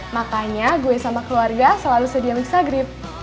makanya gue sama keluarga selalu sedia mixagrip